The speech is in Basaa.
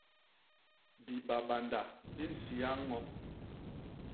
Bibabanda bi nsiya ñño.